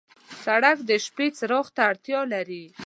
سړک د شپې څراغ ته اړتیا لري.